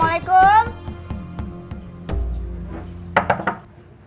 baik pak ustadz